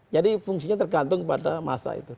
fungsinya tergantung pada masa itu